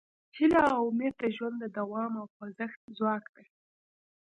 هیله او امید د ژوند د دوام او خوځښت ځواک دی.